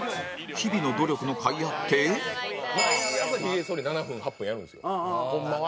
日々の努力のかいあって毎朝、ひげそり７分、８分やるんですよホンマは。